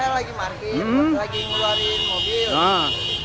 saya lagi parkir lagi ngeluarin mobil